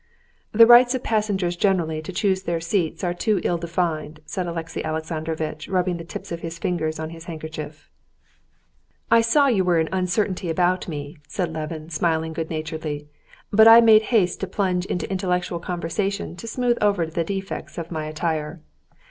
"The rights of passengers generally to choose their seats are too ill defined," said Alexey Alexandrovitch, rubbing the tips of his fingers on his handkerchief. "I saw you were in uncertainty about me," said Levin, smiling good naturedly, "but I made haste to plunge into intellectual conversation to smooth over the defects of my attire."